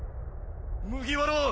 麦わらは！？